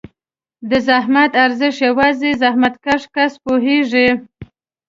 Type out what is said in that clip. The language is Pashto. د زحمت ارزښت یوازې زحمتکښ کس پوهېږي.